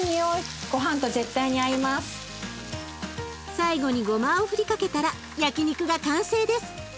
最後にごまを振りかけたら焼肉が完成です。